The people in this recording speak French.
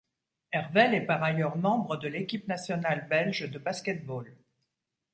Hervelle est par ailleurs membre de l'équipe nationale belge de basket-ball.